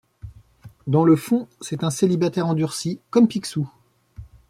Dans le fond, c'est un célibataire endurci, comme Picsou.